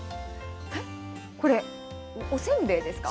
これ、おせんべいですか。